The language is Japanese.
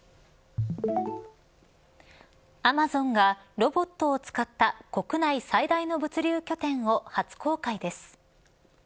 アマゾンがロボットを使った国内最大の物流拠点を初公開です。